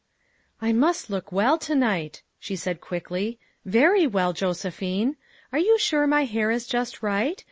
" I must look well to night," she said quickly, " very well, Josephine. Are you sure my hair is just right?